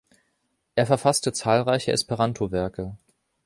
Er verfasste zahlreiche Esperanto-Werke.